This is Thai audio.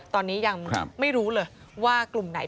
ตอนนี้ยังไม่รู้เลยว่ากลุ่มไหน